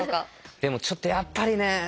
でもちょっとやっぱりね。